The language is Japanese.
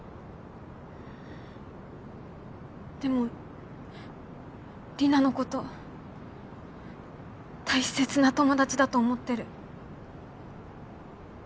でもリナのこと大切な友達だと思ってる。